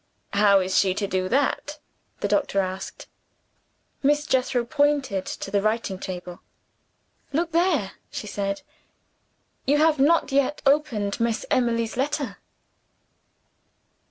"How is she to do that?" the doctor asked. Miss Jethro pointed to the writing table. "Look there," she said. "You have not yet opened Miss Emily's letter."